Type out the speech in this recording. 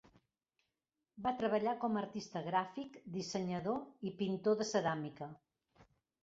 Va treballar com a artista gràfic, dissenyador i pintor de ceràmica.